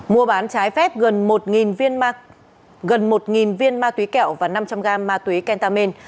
mua bán trái phép gần một viên ma túy kẹo và năm trăm linh gram ma túy kentamin